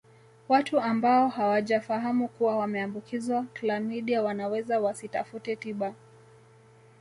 Watu ambao hawajafahamu kuwa wameambukizwa klamidia wanaweza wasitafute tiba